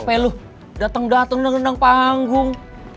apa lo dateng dateng neng neng panggung